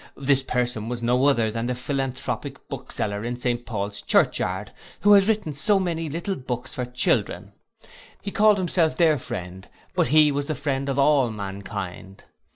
This person was no other than the philanthropic bookseller in St Paul's church yard, who has written so many little books for children: he called himself their friend; but he was the friend of all mankind.